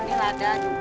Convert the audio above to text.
ini lada juga